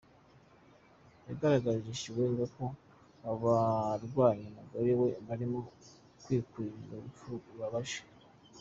Yagaragarije Chiwenga ko abarwanya umugore we barimo kwikururira urupfu rubabaje.”